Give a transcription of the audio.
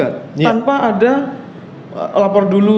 tanpa ada lapor dulu